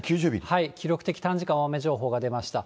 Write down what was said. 記録的短時間大雨情報が出ました。